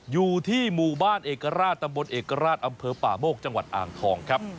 อยู่ที่หมู่บ้านเอกราชตำบลเอกราชอำเภอป่าโมกจังหวัดอ่างทองครับ